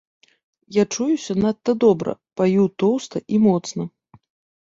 Я чуюся надта добра, паю тоўста і моцна.